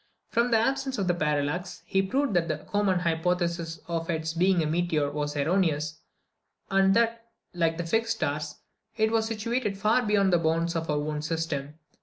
From the absence of parallax, he proved that the common hypothesis of its being a meteor was erroneous, and that, like the fixed stars, it was situated far beyond the bounds of our own system.